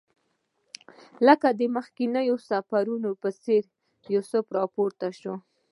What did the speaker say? لکه د مخکنیو سفرونو په څېر یوسف راپورته شو.